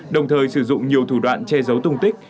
đồng thời sử dụng nhiều thủ đoạn che giấu tung tích